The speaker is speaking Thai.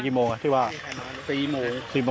ชั่วโมงตอนพบศพ